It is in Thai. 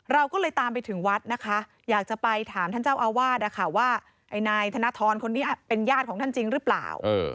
เราก็เลยตามไปถึงวัดนะคะอยากจะไปถามท่านเจ้าอาวาสนะคะว่านายธนทรคนนี้เป็นญาติของท่านจริงหรือเปล่า